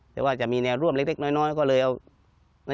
แต่ว่าจะมีแนวร่วมเล็กน้อยก็เลยเอา